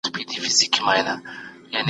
زده کړه انسان له فقر او ناپوهۍ څخه ژغوري.